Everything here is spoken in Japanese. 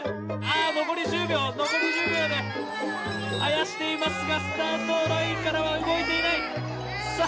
残り１０秒であやしていますがスタートラインからは動いていない。